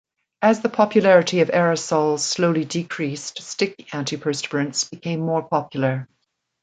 As the popularity of aerosols slowly decreased, stick antiperspirants became more popular.